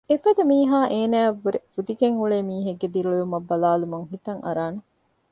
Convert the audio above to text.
އެފަދަ މީހާ އޭނާއަށްވުރެ ފުދިގެން އުޅޭ މީހެއްގެ ދިރިއުޅުމަށް ބަލާލުމުން ހިތަށް އަރާނެ